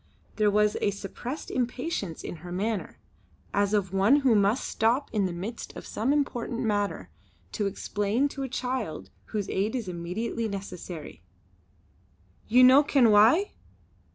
There was a suppressed impatience in her manner, as of one who must stop in the midst of some important matter to explain to a child whose aid is immediately necessary: "Ye no ken why?